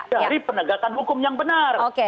dari penegakan hukum yang benar